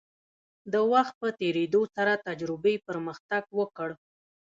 د وخت په تیریدو سره تجربې پرمختګ وکړ.